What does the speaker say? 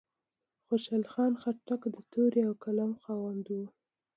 خوشحال خان خټک د تورې او قلم خاوند و.